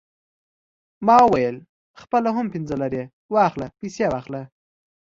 ما وویل: خپله هم پنځه لېرې واخله، پیسې واخله.